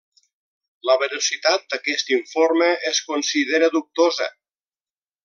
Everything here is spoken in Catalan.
La veracitat d'aquest informe es considera dubtosa.